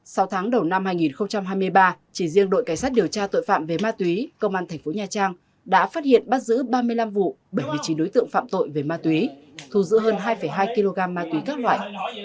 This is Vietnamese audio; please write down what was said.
sau tháng đầu năm hai nghìn hai mươi ba chỉ riêng đội cảnh sát điều tra tội phạm về máy tí công an thành phố nha trang đã phát hiện bắt giữ ba mươi năm vụ bảy mươi chín đối tượng phạm tội về máy tí thu giữ hơn hai hai kg máy tí các loại